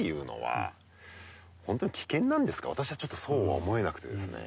私はちょっとそうは思えなくてですね。